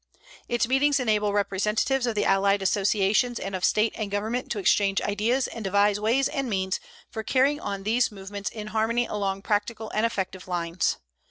Its meetings enable representatives of the allied associations and of State and government to exchange ideas and devise ways and means for carrying on these movements in harmony along practical and effective lines.